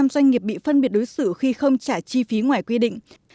một mươi doanh nghiệp bị phân biệt đối xử khi không trả chi phí ngoài quy định